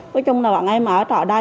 với chung là bạn em ở trọ đây